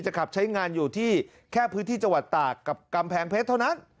ขับใช้งานอยู่ที่แค่พื้นที่จังหวัดตากกับกำแพงเพชรเท่านั้น